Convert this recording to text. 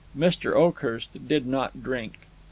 Mr. Oakhurst did not drink.